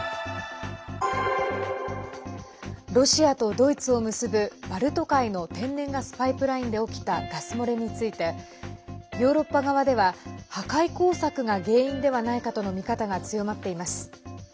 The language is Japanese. ロシアとドイツを結ぶバルト海の天然ガスパイプラインで起きたガス漏れについてヨーロッパ側では破壊工作が原因ではないかとの見方が強まっています。